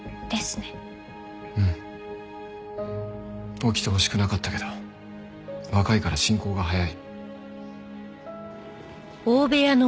起きてほしくなかったけど若いから進行が早い。